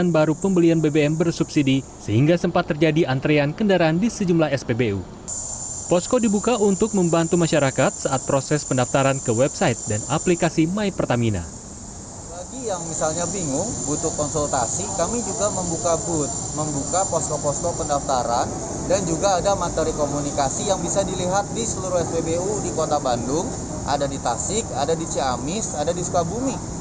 bisa dilihat di seluruh spbu di kota bandung ada di tasik ada di ciamis ada di sukabumi